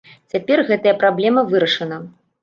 Цяпер гэтая праблема вырашана.